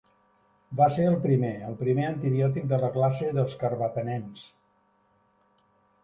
Va ser el primer el primer antibiòtic de la classe dels carbapenems.